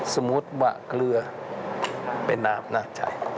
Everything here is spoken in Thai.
สมมุติว่าเกลือเป็นน้ำน่าใจ